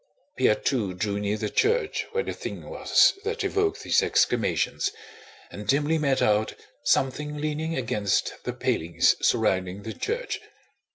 Pierre too drew near the church where the thing was that evoked these exclamations, and dimly made out something leaning against the palings surrounding the church.